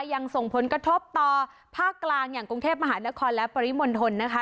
ยังส่งผลกระทบต่อภาคกลางอย่างกรุงเทพมหานครและปริมณฑลนะคะ